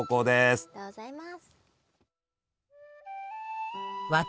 ありがとうございます。